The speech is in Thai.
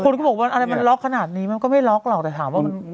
เขาบอกว่าอะไรมันล็อกขนาดนี้มันก็ไม่ล็อกหรอกแต่ถามว่ามัน